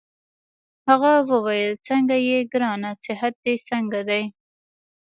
هغه وویل: څنګه يې ګرانه؟ صحت دي څنګه دی؟